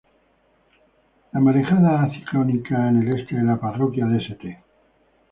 La marejada ciclónica en el este de la parroquia de St.